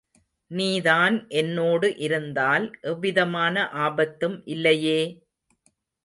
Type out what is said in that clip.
நீதான் என்னோடு இருந்தால் எவ்விதமான ஆபத்தும் இல்லையே!